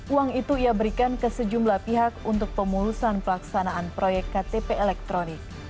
uang itu ia berikan ke sejumlah pihak untuk pemulusan pelaksanaan proyek ktp elektronik